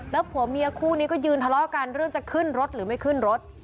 แล้วผัวเมียคู่นี้ก็ยืนทะเลาะกันเรื่องจะขึ้นรถหรือไม่ขึ้นรถ